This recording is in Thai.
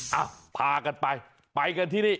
เอ้าพากันไปไปกันที่นี่